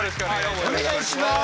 お願いします